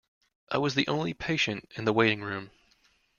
I was the only patient in the waiting room.